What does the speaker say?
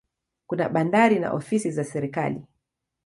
Kuna bandari na ofisi za serikali.